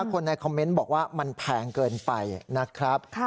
คนในคอมเมนต์บอกว่ามันแพงเกินไปนะครับ